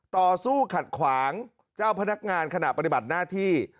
ต่อสู้ขัดขวางเจ้าพนักงานขณะปฏิบัติหน้าที่